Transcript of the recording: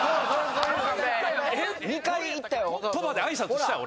２回行ったよ。